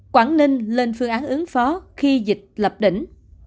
quảng ninh lên phương án ứng phó khi dịch lập đỉnh